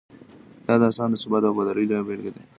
دا داستان د ثبات او وفادارۍ لویه بېلګه ده.